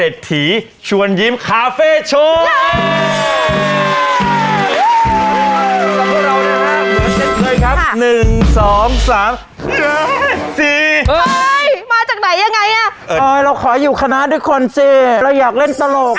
โอ้โหจริงครับบุญดาแล้ว